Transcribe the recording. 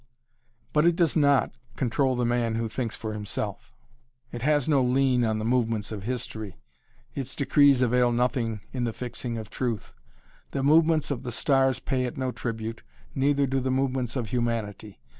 But it does not, control the man who thinks for himself. It has no lien on the movements of history, its decrees avail nothing in the fixing of truth. The movements of the stars pay it no tribute, neither do the movements of humanity.